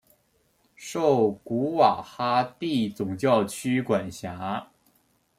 受古瓦哈蒂总教区管辖。